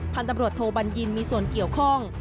พันธุ์ตำรวจโทบัญญินมีส่วนเกี่ยวข้อง